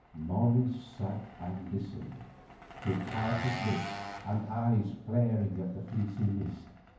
Morris sat and listened with parted lips and eyes staring at the fleecy mist.